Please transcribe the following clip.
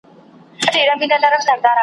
هاشم شايق